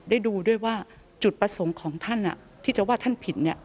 ได้ดูด้วยว่าจุดประสงค์ของท่านที่จะว่าท่านผิด